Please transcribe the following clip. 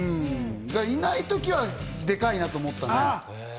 いない時はデカいなと思ったね。